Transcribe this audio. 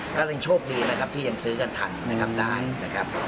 ก็ยังโชคดีนะครับที่ยังซื้อกันทันนะครับได้นะครับ